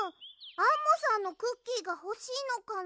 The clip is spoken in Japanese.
アンモさんのクッキーがほしいのかな？